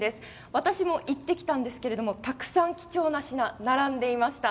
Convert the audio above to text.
私も行ってきたんですがたくさん貴重な品並んでいました。